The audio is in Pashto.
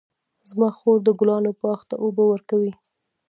زما خور د ګلانو باغ ته اوبه ورکوي.